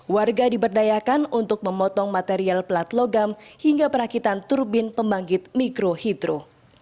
warga diberdayakan untuk memotong material pelat logam hingga perakitan turbin pembangkit mikrohidro